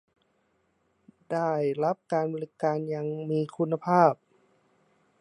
ได้รับการบริการอย่างมีคุณภาพ